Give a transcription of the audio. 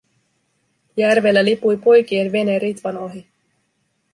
Järvellä lipui poikien vene Ritvan ohi.